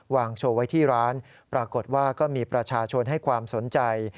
วางโชว์ไว้ที่ร้านปรากฏว่าก็มีประชาชนให้ความสนใจ